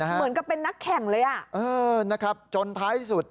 เหมือนเป็นนักแข่งเลยเออจนท้ายที่สุด